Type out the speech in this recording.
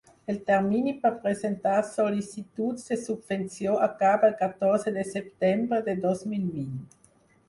El termini per presentar sol·licituds de subvenció acaba el catorze de setembre de dos mil vint.